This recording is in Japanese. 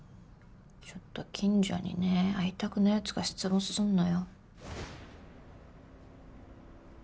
ちょっと近所にね会いたくないやつが出没すんのよ。